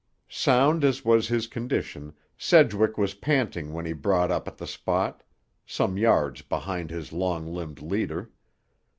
Sound as was his condition, Sedgwick was panting when he brought up at the spot, some yards behind his long limbed leader.